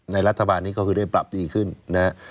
รัฐบาลนี้ก็คือได้ปรับดีขึ้นนะครับ